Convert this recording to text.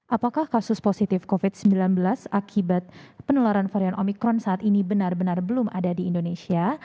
apakah kasus positif covid sembilan belas akibat penularan varian omikron saat ini benar benar belum ada di indonesia